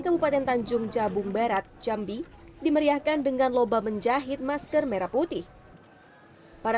kabupaten tanjung jabung barat jambi dimeriahkan dengan lomba menjahit masker merah putih para